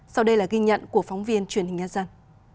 sau đây là ghi nhận của phóng viên truyền hình nhân dân